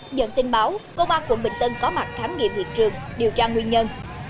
nhận tin báo công an quận bình tân có mặt khám nghiệm hiện trường điều tra nguyên nhân